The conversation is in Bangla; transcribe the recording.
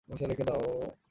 পয়সা রেখে দাও।